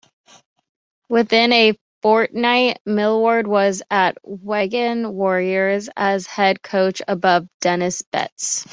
Within a fortnight, Millward was at Wigan Warriors as head coach above Denis Betts.